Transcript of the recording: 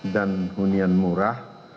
dan hunian murah